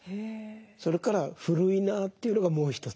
それから古いなというのがもう一つ。